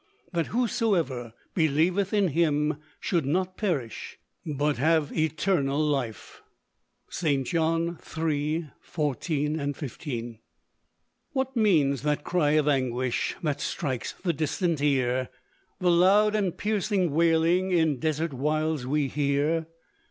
"That whosoever believeth in Him should not perish but have eternal life." St. John, 3:14, 15. What means that cry of anguish, That strikes the distant ear; The loud and piercing wailing, In desert wilds we hear?